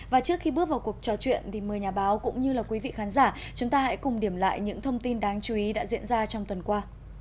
và trước khi bước vào cuộc trò chuyện thì mời nhà báo cũng như quý vị khán giả chúng ta hãy cùng điểm lại những thông tin đáng chú ý đã diễn ra trong tuần qua